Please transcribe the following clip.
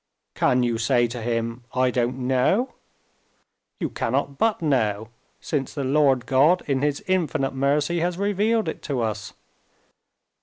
Can you say to him: 'I don't know'? You cannot but know, since the Lord God in His infinite mercy has revealed it to us.